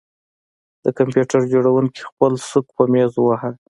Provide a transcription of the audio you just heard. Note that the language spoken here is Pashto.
د کمپیوټر جوړونکي خپل سوک په میز وواهه